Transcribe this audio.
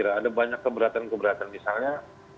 ada banyak keberatan keberatan misalnya